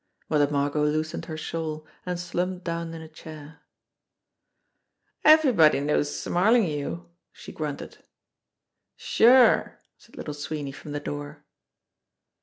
Mother Margot loosened her shawl, and slumped down in a chair. "Everybody knows Smarlinghue," she grunted. "Sure," said Little Sweeney from the door.